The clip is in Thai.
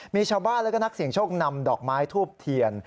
มีชาวบ้านและก็นักเสี่ยงโชคนำดอกไม้ทูบเทียน